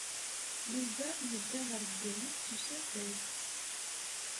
Yuba yedda ɣer Bgayet s usafag.